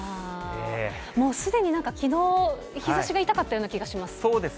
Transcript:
もうすでになんかきのう、日ざしが痛かったような気がします。